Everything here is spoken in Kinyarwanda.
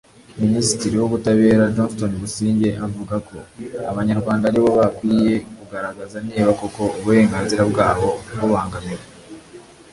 Minisitiri w’ Ubutabera Johnston Busingye avuga ko abanyarwanda ari bo bakwiye kugaragaza niba koko uburenganzira bwabo bubangamiwe